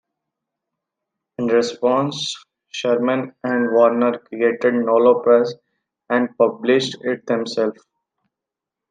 In response Sherman and Warner created Nolo Press and published it themselves.